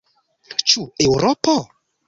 Ĉu Eŭropo?